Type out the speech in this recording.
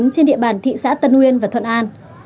trên địa bàn thị xã tân uyên và thuận an